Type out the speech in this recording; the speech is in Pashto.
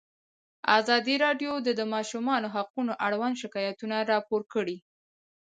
ازادي راډیو د د ماشومانو حقونه اړوند شکایتونه راپور کړي.